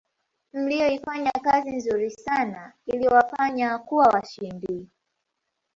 mliyoifanya kazi nzuri sana iliyowafanya kuwa washindi